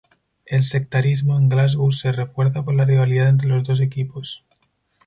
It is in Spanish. El sectarismo en Glasgow se refuerza por la rivalidad entre los dos equipos.